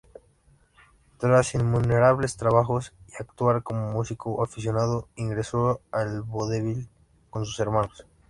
Tras innumerables trabajos y actuar como músico aficionado, ingresó al vodevil con sus hermanos.